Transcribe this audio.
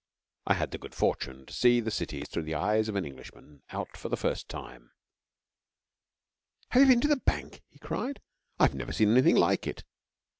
I had the good fortune to see the cities through the eyes of an Englishman out for the first time. 'Have you been to the Bank?' he cried. 'I've never seen anything like it!'